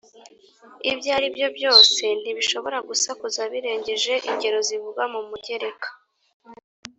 ibyo aribyo byose ntibishobora gusakuza birengeje ingero zivugwa mu mugereka